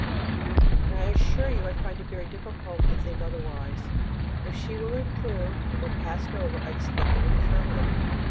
and I assure you I find it very difficult to think otherwise. If she were reproved, or passed over, I expect it would cure her.